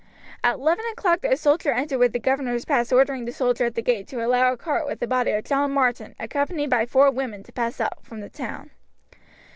At eleven o'clock a soldier entered with the governor's pass ordering the soldier at the gate to allow a cart with the body of John Martin, accompanied by four women, to pass out from the town.